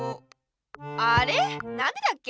あれぇなんでだっけ？